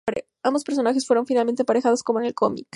Ambos personajes fueron finalmente emparejados, como en el cómic.